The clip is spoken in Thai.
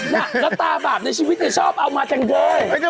น่ะลับตาบาลในชีวิตอยากชอบเอามาจังเจ้ย